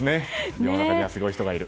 世の中にはすごい人がいる。